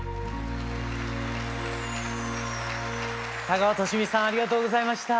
田川寿美さんありがとうございました。